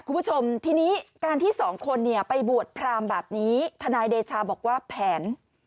คุณผู้ชมทีนี้การที่สองคนเนี่ยไปบวชพรามแบบนี้ทนายเดชาบอกว่าแผน